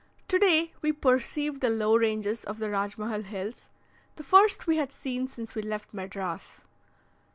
Today we perceived the low ranges of the Rajmahal Hills, the first we had seen since we left Madras.